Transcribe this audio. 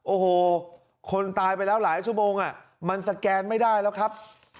โอ้โหคนตายไปแล้วหลายชั่วโมงมันสแกนไม่ได้แล้วครับ